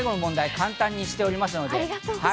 簡単にしております。